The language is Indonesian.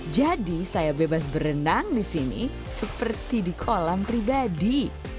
jadi saya bebas berenang di sini seperti di kolam pribadi